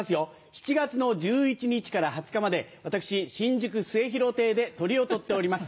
７月１１日から２０日まで私新宿末廣亭でトリを取っております。